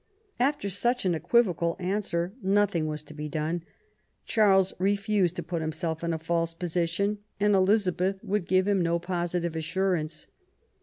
After such an equivocal answer, nothing was to be done. Charles refused to put himself in a false position, and Elizabeth would give him no positive assurance.